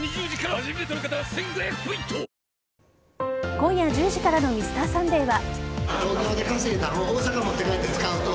今夜１０時からの「Ｍｒ．サンデー」は。